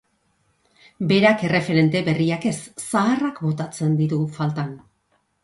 Berak erreferente berriak ez, zaharrak botatzen ditu faltan.